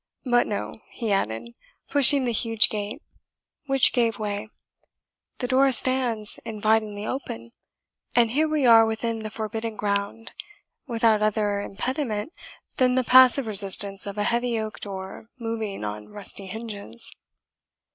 But, no," he added, pushing the huge gate, which gave way, "the door stands invitingly open; and here we are within the forbidden ground, without other impediment than the passive resistance of a heavy oak door moving on rusty hinges."